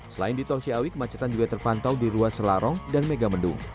selain di tol ciawi kemacetan juga terpantau di ruas selarong dan megamendung